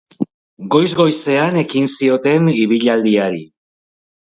Goiz-goizean ekin zioten ibilaldiari.